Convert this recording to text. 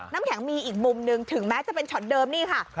น้ำแข็งมีอีกมุมหนึ่งถึงแม้จะเป็นช็อตเดิมนี่ค่ะ